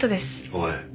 おい。